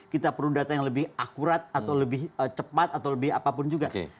kita perlu data yang lebih akurat atau lebih cepat atau lebih apapun juga